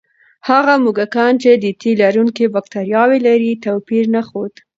هغه موږکان چې د تیلرونکي بکتریاوې لري، توپیر نه ښود.